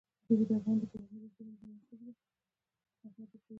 د انسان دویمه مرحله راڅرګنده شوه.